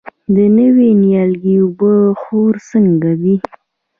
د نوي نیالګي اوبه خور څنګه دی؟